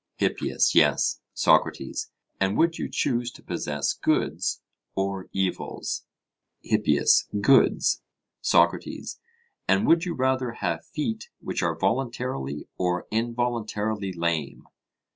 HIPPIAS: Yes. SOCRATES: And would you choose to possess goods or evils? HIPPIAS: Goods. SOCRATES: And would you rather have feet which are voluntarily or involuntarily lame?